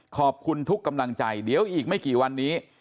ขอบคุณทุกกำลังใจเดี๋ยวอีกไม่กี่วันนี้